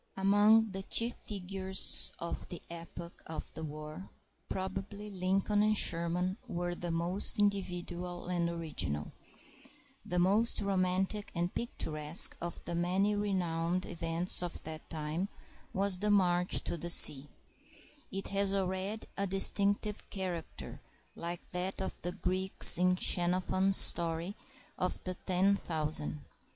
Among the chief figures of the epoch of the war probably Lincoln and Sherman were the most individual and original. The most romantic and picturesque of the many renowned events of that time was the march to the sea. It has already a distinctive character, like that of the Greeks in Xenophon's story of the ten thousand.